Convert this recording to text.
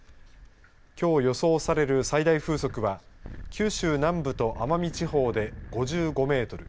きょう予想される最大風速は九州南部と奄美地方で５５メートル